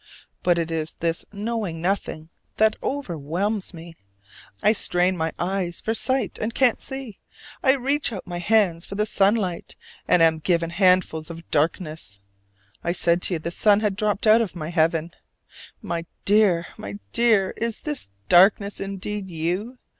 But it is this knowing nothing that overwhelms me: I strain my eyes for sight and can't see; I reach out my hands for the sunlight and am given great handfuls of darkness. I said to you the sun had dropped out of my heaven. My dear, my dear, is this darkness indeed you?